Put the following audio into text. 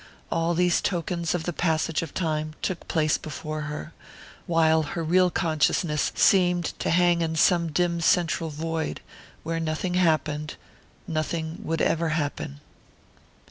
all these tokens of the passage of time took place before her, while her real consciousness seemed to hang in some dim central void, where nothing happened, nothing would ever happen....